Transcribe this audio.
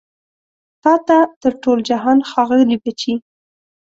تا ته تر ټول جهان ښاغلي بچي